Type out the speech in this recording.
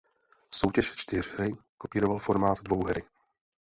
Soutěž čtyřhry kopíroval formát dvouhry.